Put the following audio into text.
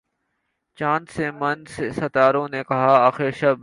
چاند سے ماند ستاروں نے کہا آخر شب